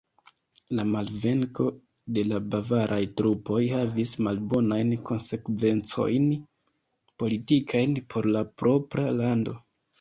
La malvenko de la bavaraj trupoj havis malbonajn konsekvencojn politikajn por la propra lando.